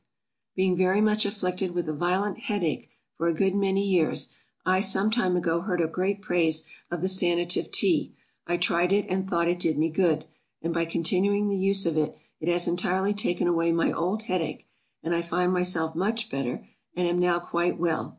BEING very much afflicted with a violent head ache for a great many years, I some time ago heard a great praise of the Sanative Tea; I tried it and thought it did me good, and by continuing the use of it, it has entirely taken away my old head ache, and I find myself much better, and am now quite well.